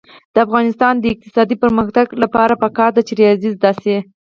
د افغانستان د اقتصادي پرمختګ لپاره پکار ده چې ریاضي زده شي.